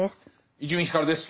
伊集院光です。